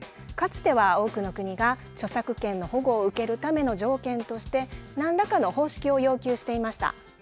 かつては多くの国が著作権の保護を受けるための条件として何らかの方式を要求していました。